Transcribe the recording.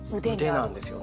腕なんですよね。